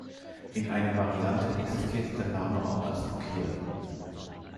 In einer Variante existiert der Name auch als Pier.